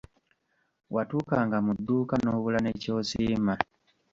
Watuukanga mu dduuka n'obula ne ky'osiima.